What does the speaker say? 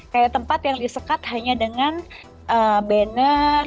kayak tempat yang disekat hanya dengan banner